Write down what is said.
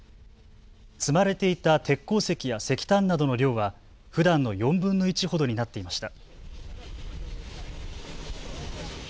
積まれていた鉄鉱石や石炭などの量はふだんの４分の１ほどになっていました。